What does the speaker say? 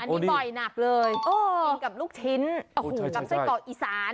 อันนี้บ่อยหนักเลยกินกับลูกชิ้นโอ้โหกับไส้กรอกอีสาน